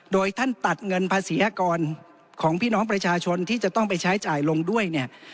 โดยท่านตัดเงินภาษีอากรของพี่น้องประชาชนที่จะต้องไปใช้จ่ายลงด้วยเนี่ย